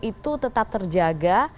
itu tetap terjaga